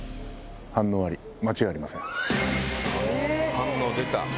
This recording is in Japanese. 反応出た。